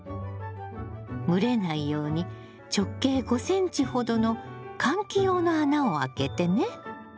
蒸れないように直径５ｃｍほどの換気用の穴を開けてね。